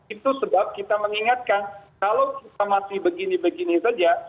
itu sebab kita mengingatkan kalau kita masih begini begini saja